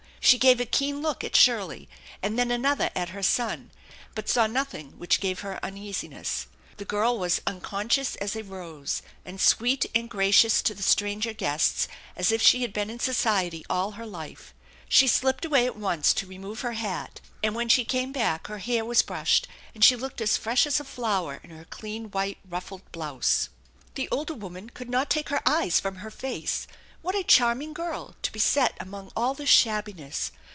She gave a keen look at Shirley, and then another at her son, but saw nothing which gave her uneasiness. The girl was unconscious as a rose, and sweet and gracious to the stranger guests as if she had been in society all her life. She slipped away at once to remove her hat, and when she came back her hair was brushed, and she looked as fresh as a flower in her clean white ruffled blouse. The older woman could not take her eyes frum her face. What a charming girl to be set among all this shabbiness